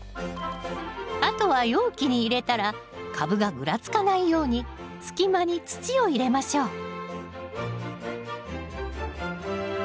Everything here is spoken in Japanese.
あとは容器に入れたら株がぐらつかないように隙間に土を入れましょう